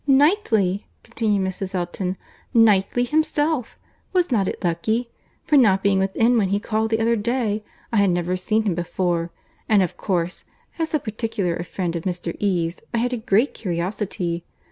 "Knightley!" continued Mrs. Elton; "Knightley himself!—Was not it lucky?—for, not being within when he called the other day, I had never seen him before; and of course, as so particular a friend of Mr. E.'s, I had a great curiosity.